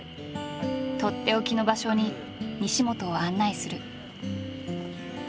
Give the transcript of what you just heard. とっておきの場所に西本を案内する。